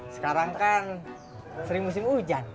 sekarang kan sering musim hujan